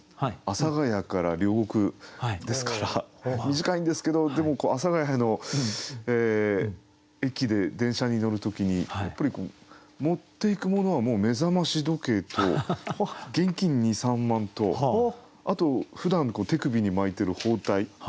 阿佐ケ谷から両国ですから短いんですけどでも阿佐ケ谷の駅で電車に乗る時にやっぱり持っていくものはもう目覚まし時計と現金２３万とあとふだん手首に巻いてる包帯。